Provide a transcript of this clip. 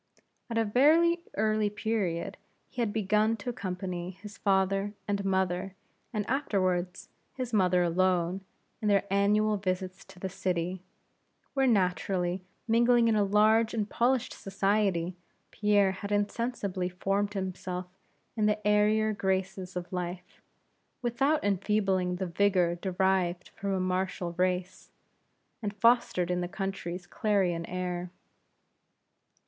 At a very early period he had begun to accompany his father and mother and afterwards his mother alone in their annual visits to the city; where naturally mingling in a large and polished society, Pierre had insensibly formed himself in the airier graces of life, without enfeebling the vigor derived from a martial race, and fostered in the country's clarion air.